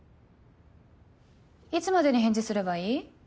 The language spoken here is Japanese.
いつまでに返事すればいい？